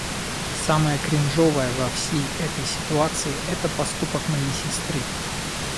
Самое кринжовое во всей этой ситуации, это поступок моей сестры.